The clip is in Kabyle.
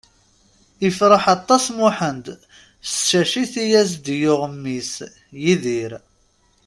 Ifreḥ aṭas Muḥend s tcacit i as-d-yuɣ mmi-s Yidir.